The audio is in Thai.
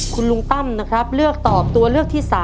คุณลุงตั้มนะครับเลือกตอบตัวเลือกที่๓